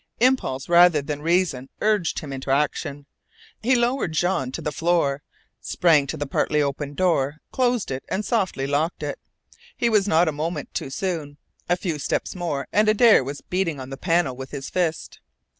Impulse rather than reason urged him into action. He lowered Jean to the floor, sprang to the partly open door, closed it and softly locked it. He was not a moment too soon. A few steps more and Adare was beating on the panel with his fist.